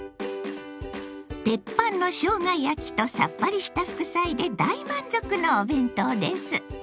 テッパンのしょうが焼きとさっぱりした副菜で大満足のお弁当です。